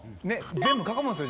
全部囲むんですよ